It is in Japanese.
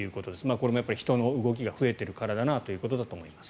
これも人の動きが増えているからだなということだと思います。